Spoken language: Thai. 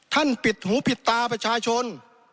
ปิดหูปิดตาประชาชน